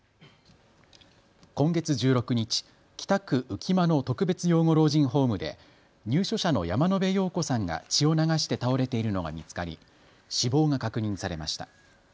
今月１６日、北区浮間の特別養護老人ホームで入所者の山野邉陽子さんが血を流して倒れているのが見つかり死亡が確認されました。